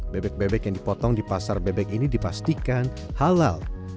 bebek bebek yang dipotong di pasar bebek ini dipastikan halal